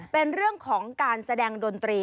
เป็นเรื่องของการแสดงดนตรี